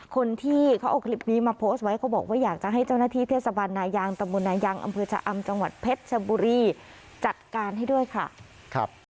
คนที่เขาเอาคลิปนี้มาโพสต์ไว้เขาบอกว่าอยากจะให้เจ้าหน้าที่เทศบาลนายางตะบนนายางอำเภอชะอำจังหวัดเพชรชบุรีจัดการให้ด้วยค่ะครับ